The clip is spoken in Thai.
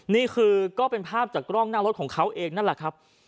นี่คือก็เป็นภาพจากกล้องหน้ารถของเขาเองนั่นแหละครับ